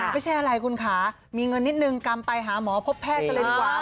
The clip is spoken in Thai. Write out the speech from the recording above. ไม่ใช่อะไรคุณค่ะมีเงินนิดนึงกำไปหาหมอพบแพทย์กันเลยดีกว่า